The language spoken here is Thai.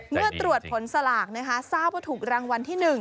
เมื่อตรวจผลสลากนะคะทราบว่าถูกรางวัลที่๑